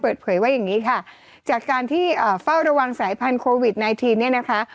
เปิดเผยว่าอย่างนี้ค่ะจากการที่เฝ้าระวังสายพันธุวิดไนทีนเนี่ยนะคะ